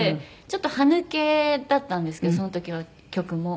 ちょっと歯抜けだったんですけどその時は曲も。